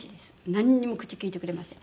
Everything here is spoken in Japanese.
なんにも口きいてくれません。